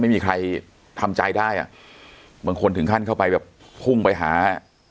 ไม่มีใครทำใจได้อ่ะบางคนถึงขั้นเข้าไปแบบพุ่งไปหา